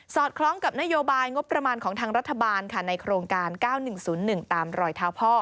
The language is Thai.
สอดคล้องกับนโยบายงบประมาณของทางรัฐบาลค่ะในโครงการเก้าหนึ่งศูนย์หนึ่งตามรอยเท้าพ่อ